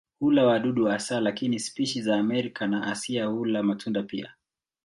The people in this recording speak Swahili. Hula wadudu hasa lakini spishi za Amerika na Asia hula matunda pia.